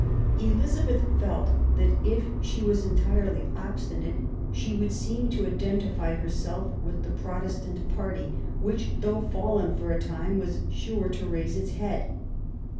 Elizabeth felt that, if she was entirely obstinate, she would seem to identify herself with the Protestant party, which, though fallen for a time, was sure to raise its head.